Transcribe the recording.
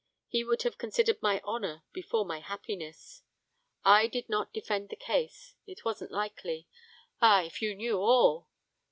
He would have considered my honour before my happiness. I did not defend the case, it wasn't likely ah, if you knew all?